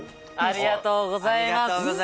ありがとうございます！